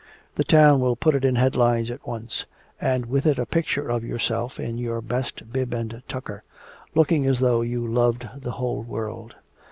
The town will put it in headlines at once, and with it a picture of yourself in your best bib and tucker, looking as though you loved the whole world.